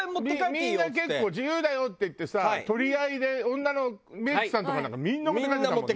みんな結構「自由だよ」って言ってさ取り合いで女のメイクさんとかなんかみんな持って帰ってたもんね。